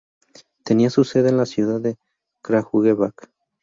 Tenía su sede en la ciudad de Kragujevac.